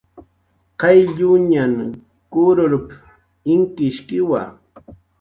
"Qaylluñan kururp"" inkishkiwa"